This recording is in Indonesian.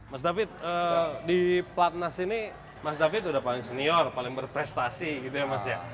mas david di platnas ini mas david udah paling senior paling berprestasi gitu ya mas ya